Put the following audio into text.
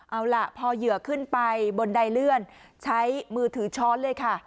เอาล่ะพอเหยื่อขึ้นไปบนใดเลื่อนใช้มือถือช้อนเลยค่ะ